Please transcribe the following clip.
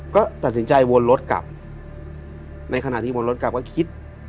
ก็ตัดสินใจวนรถกลับในขณะที่วนรถกลับก็คิด